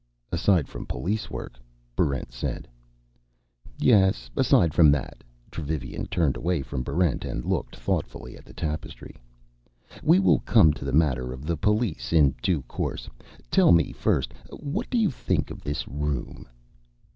"Aside from policework," Barrent said. "Yes, aside from that." Dravivian turned away from Barrent and looked thoughtfully at the tapestry. "We will come to the matter of the police in due course. Tell me first, what do you think of this room?"